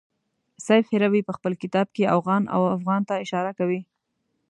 سیف هروي په خپل کتاب کې اوغان او افغان ته اشاره کوي.